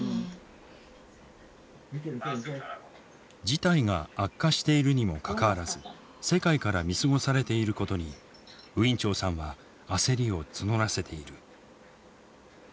事態が悪化しているにもかかわらず世界から見過ごされていることにウィン・チョウさんは焦りを募らせている。